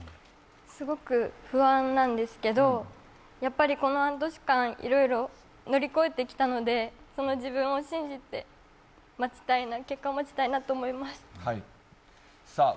すごく不安なんですけどやっぱりこの半年間いろいろ乗り越えてきたのでその自分を信じて結果を待ちたいなと思います。